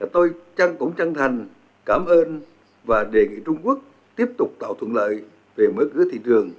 tôi chân cũng chân thành cảm ơn và đề nghị trung quốc tiếp tục tạo thuận lợi về mối cưới thị trường